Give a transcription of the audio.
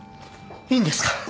いいんですか？